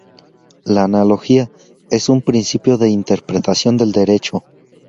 La analogía: Es un principio de interpretación del derecho.